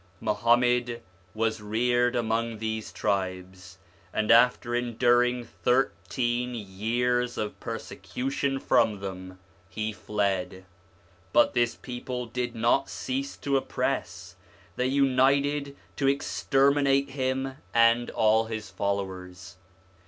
Muhammad was reared among these tribes, and after enduring thirteen years of persecution from them, he fled. 1 But this people did not cease to oppress ; they united to exterminate him and all his followers.